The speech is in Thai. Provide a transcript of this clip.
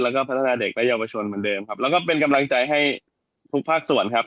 แล้วก็พัฒนาเด็กและเยาวชนเหมือนเดิมครับแล้วก็เป็นกำลังใจให้ทุกภาคส่วนครับ